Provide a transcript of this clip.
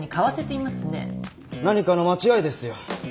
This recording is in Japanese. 何かの間違いですよ。